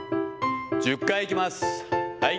１０回いきます。